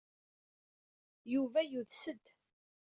Yuba yudes-d.